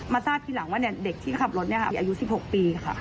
มาทราบทีหลังว่าเนี่ยเด็กที่ขับรถเนี่ยค่ะอายุ๑๖ปีค่ะ